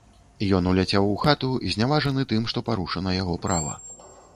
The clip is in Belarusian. Ён уляцеў у хату, зняважаны тым, што парушана яго права.